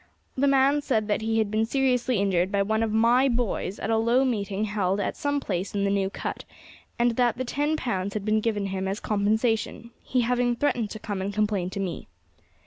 The man said that he had been seriously injured by one of my boys at a low meeting held at some place in the New Cut, and that the ten pounds had been given him as compensation, he having threatened to come and complain to me.